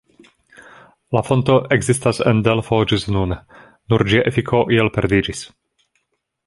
La fonto ekzistas en Delfo ĝis nun, nur ĝia efiko iel perdiĝis.